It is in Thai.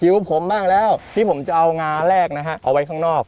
ผมบ้างแล้วที่ผมจะเอางาแรกนะฮะเอาไว้ข้างนอก